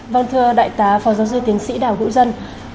vâng thưa đại tá phó giáo sư tiến sĩ đào hữu dân